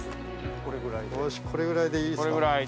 ・これぐらいでいいですか？